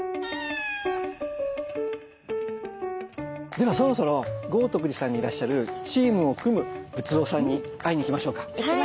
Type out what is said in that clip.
ではそろそろ豪徳寺さんにいらっしゃるチームを組む仏像さんに会いに行きましょうか。